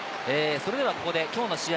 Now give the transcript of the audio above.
それではここできょうの試合